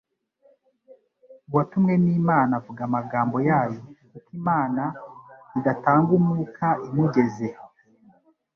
Uwatumwe n’Imana avuga amagambo yayo, kuko Imana idatanga Umwuka imugeze